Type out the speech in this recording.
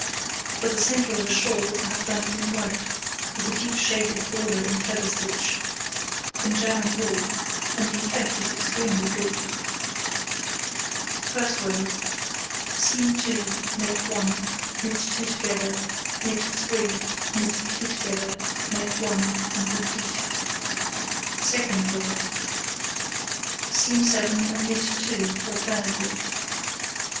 For the centre of a shawl I have done it in white, with a deep shaded border in feather stitch, in German wool, and the effect is extremely good. First row: Seam 2, make 1, knit 2 together, knit 3, knit 2 together, make 1, and repeat. Second row: Seam 7, and knit 2 alternately.